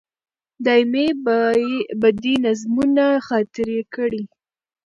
دایمي به دي نظمونه خاطرې کړي